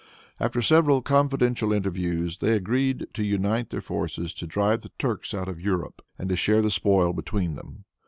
After several confidential interviews, they agreed to unite their forces to drive the Turks out of Europe, and to share the spoil between them.